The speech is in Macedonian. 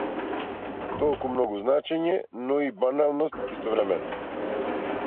Толку многу значење, но и баналност истовремено.